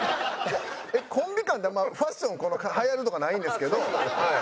コンビ間であんまファッションはやるとかないんですけどはい。